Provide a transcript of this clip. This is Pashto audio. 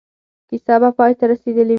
کیسه به پای ته رسېدلې وي.